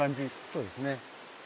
そうですね。